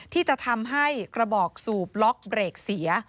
ที่จะทำให้กระบอกสูบล็อกเบรกเสีย